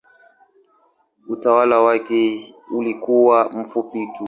Utawala wake ulikuwa mfupi tu.